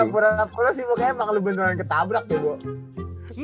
gak pura pura sih makanya bakal beneran ketabrak deh gue